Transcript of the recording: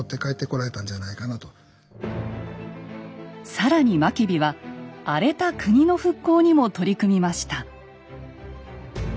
更に真備は荒れた国の復興にも取り組みました。